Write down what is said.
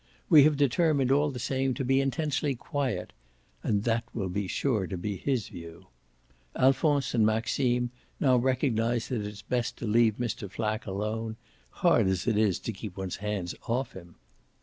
We have determined all the same to be intensely QUIET, and that will be sure to be his view. Alphonse and Maxime now recognise that it's best to leave Mr. Flack alone, hard as it is to keep one's hands off him.